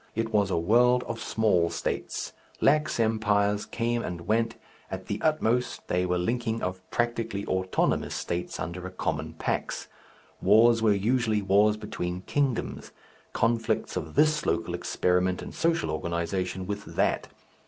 It was a world of small states. Lax empires came and went, at the utmost they were the linking of practically autonomous states under a common Pax. Wars were usually wars between kingdoms, conflicts of this local experiment in social organization with that.